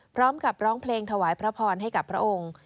พร้อมกับร้องเพลงถวายพระพรให้กับพระองค์